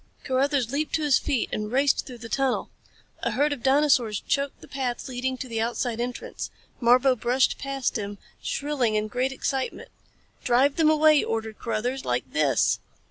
Carruthers leaped to his feet and raced through the tunnel. A herd of dinosaurs choked the path leading to the outside entrance. Marbo brushed past him, shrilling in great excitement. "Drive them away!" ordered Carruthers. "Like this!"